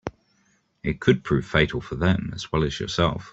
It could prove fatal for them as well as yourself.